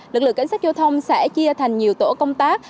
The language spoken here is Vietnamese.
lực lượng cảnh sát giao thông sẽ chia thành nhiều tổ công tác